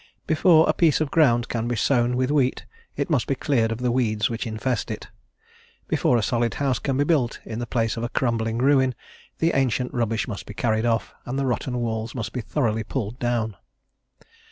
Before a piece of ground can be sown with wheat, it must be cleared of the weeds which infest it; before a solid house can be built in the place of a crumbling ruin, the ancient rubbish must be carried off, and the rotten walls must be thoroughly pulled down.